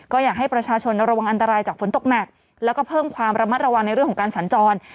ก็อยากให้ประชาชนระวังอันตรายจากฝนตกหนักแล้วก็เพิ่มความระมัดระวังในเรื่องของการสัญจร